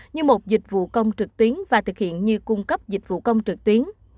như một dịch vụ công trực tuyến và thực hiện như cung cấp dịch vụ công trực tuyến